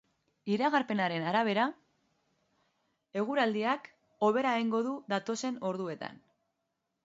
Iragarpenaren arabera, eguraldiak hobera egingo du datozen orduetan.